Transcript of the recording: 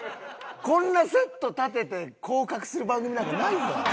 こんなセットたてて降格する番組なんかないぞ。